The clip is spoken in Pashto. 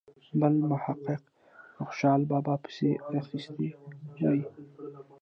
بل محقق په خوشال بابا پسې اخیستې وي.